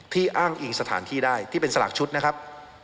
อ้างอิงสถานที่ได้ที่เป็นสลากชุดนะครับ